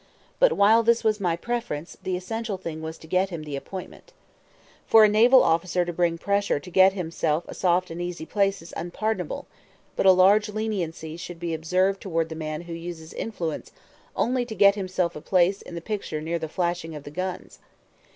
But while this was my preference, the essential thing was to get him the appointment. For a naval officer to bring pressure to get himself a soft and easy place is unpardonable; but a large leniency should be observed toward the man who uses influence only to get himself a place in the picture near the flashing of the guns.